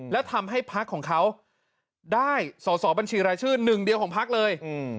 แล้วทำให้พักของเขาได้สอสอบัญชีรายชื่อหนึ่งเดียวของพักเลย